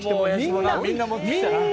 みんな持ってきたな。